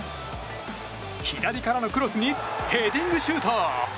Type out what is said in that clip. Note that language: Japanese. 左からのクロスにヘディングシュート！